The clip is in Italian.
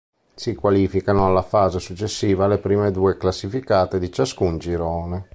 Si qualificano alla fase successiva le prime due classificate di ciascun girone.